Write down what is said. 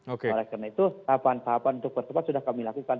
oleh karena itu tahapan tahapan untuk percepat sudah kami lakukan